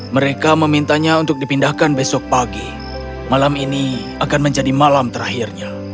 mereka memintanya untuk dipindahkan besok pagi malam ini akan menjadi malam terakhirnya